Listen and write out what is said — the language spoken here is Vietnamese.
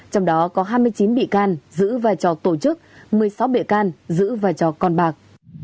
trong đó có hai mươi chín bị can giữ vai trò tổ chức một mươi sáu bị can giữ vai trò con bạc